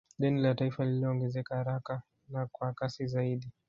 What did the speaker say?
Deni la taifa liliongezeka haraka na kwa kasi zaidi